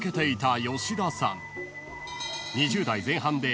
［２０代前半で］